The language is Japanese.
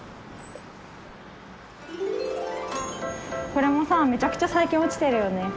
これもさめちゃくちゃ最近落ちてるよね。